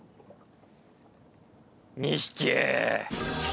２匹！